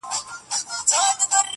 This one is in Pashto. تبۍ را واخلی مخ را تورکړۍ !.